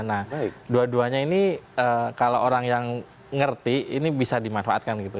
nah dua duanya ini kalau orang yang ngerti ini bisa dimanfaatkan gitu